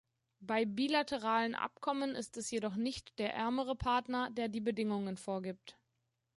Bei bilateralen Abkommen ist es jedoch nicht der ärmere Partner, der die Bedingungen vorgibt.